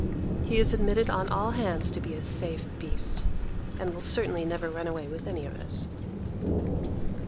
He is admitted on all hands to be a safe beast, and will certainly never run away with any of us.